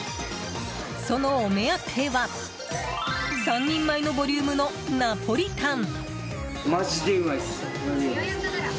そのお目当ては３人前のボリュームのナポリタン。